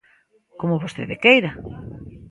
Como vostede queira.